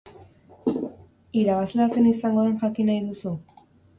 Irabazlea zein izango den jakin nahi duzu?